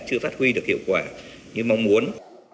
chưa phát huy được hiệu quả như mong muốn